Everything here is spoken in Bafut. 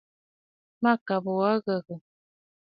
Mâkàbə̀ wa a ghə̀gə̀.